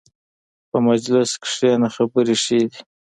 په مجلس کښېنه، خبرې ښې دي.